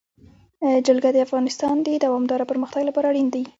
جلګه د افغانستان د دوامداره پرمختګ لپاره اړین دي.